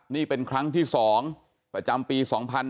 นี่เป็นครั้งที่๒ประจำปี๒๕๕๙